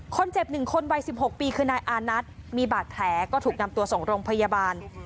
๑คนวัย๑๖ปีคือนายอานัทมีบาดแผลก็ถูกนำตัวส่งโรงพยาบาล